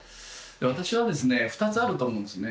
私はですね２つあると思うんですね。